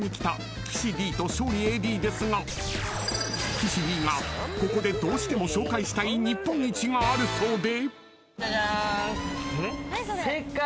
［岸Ｄがここでどうしても紹介したい日本一があるそうで］